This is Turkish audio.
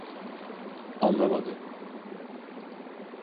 Anlamadı.